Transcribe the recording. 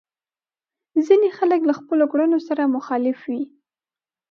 ځينې خلک له خپلو کړنو سره مخالف وي.